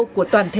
của toàn thể nước